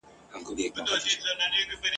چي به کله د دمې لپاره تم سو !.